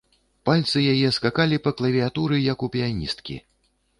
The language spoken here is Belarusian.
Пальцы яе скакалі па клавіятуры, як у піяністкі.